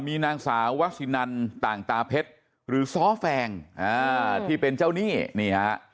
มีนางสาววสินันต่างตาเพชรหรือซ้อแฟงอ่าที่เป็นเจ้าหนี้นี่ฮะ